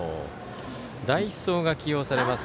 代走が起用されます。